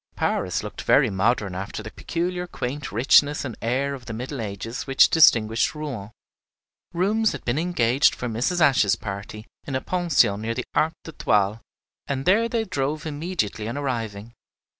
Paris looked very modern after the peculiar quaint richness and air of the Middle Ages which distinguish Rouen. Rooms had been engaged for Mrs. Ashe's party in a pension near the Arc d'Étoile, and there they drove immediately on arriving.